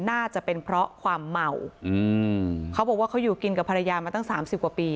น่าจะเป็นเพราะความเมาอืมเขาบอกว่าเขาอยู่กินกับภรรยามาตั้งสามสิบกว่าปี